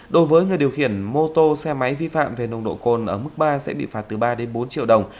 đối với người điều khiển mô tô xe máy vi phạm về nồng độ cồn ở mức ba sẽ bị phạt từ ba đến bốn triệu đồng